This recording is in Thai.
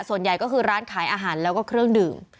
ส่วนใหญ่ก็คือร้านขายอาหารแล้วก็เครื่องดื่ม